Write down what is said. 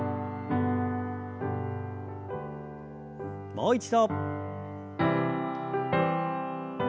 もう一度。